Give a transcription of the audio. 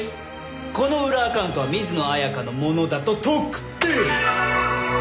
この裏アカウントは水野彩香のものだと特定！